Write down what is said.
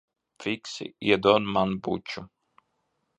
Fiksi iedod man buču.